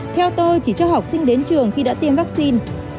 theo tôi chỉ cho học sinh đến trường khi đã tiêm vaccine